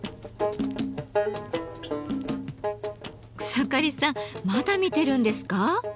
草刈さんまだ見てるんですか？